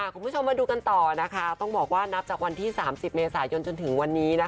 คุณผู้ชมมาดูกันต่อนะคะต้องบอกว่านับจากวันที่๓๐เมษายนจนถึงวันนี้